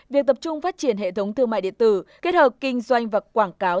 việc tập trung phát triển hệ thống thương mại điện tử kết hợp kinh doanh và quảng cáo